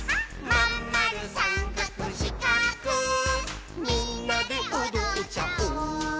「まんまるさんかくしかくみんなでおどっちゃおう」